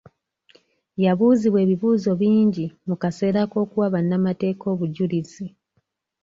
Yabuuzibwa ebibuuzo bingi mu kaseera k'okuwa bannamateeka obujulizi.